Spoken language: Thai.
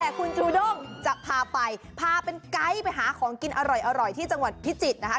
แต่คุณจูด้งจะพาไปพาเป็นไกด์ไปหาของกินอร่อยที่จังหวัดพิจิตรนะคะ